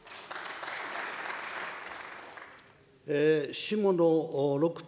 下野六太